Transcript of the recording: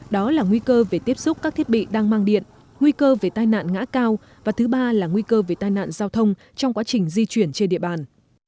đó là nguy cơ về tiếp xúc các thiết bị đang mang điện nguy cơ về tai nạn ngã cao và thứ ba là nguy cơ về tai nạn giao thông trong quá trình di chuyển trên địa bàn